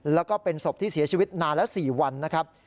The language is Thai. แล้วก็เป็นศพที่เสียชีวิตนานแล้ว๔วันนะครับ